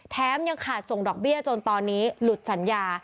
ยังขาดส่งดอกเบี้ยจนตอนนี้หลุดสัญญา